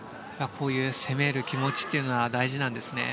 こういう攻める気持ちというのは大事なんですね。